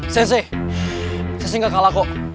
sensei sensei gak kalah kok